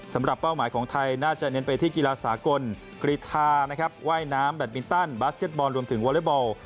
เป้าหมายของไทยน่าจะเน้นไปที่กีฬาสากลกรีธานะครับว่ายน้ำแบตมินตันบาสเก็ตบอลรวมถึงวอเล็กบอล